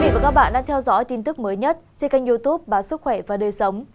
các bạn đang theo dõi tin tức mới nhất trên kênh youtube bà sức khỏe và đời sống